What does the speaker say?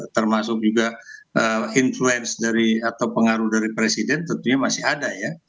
termasuk juga influence dari atau pengaruh dari presiden tentunya masih ada ya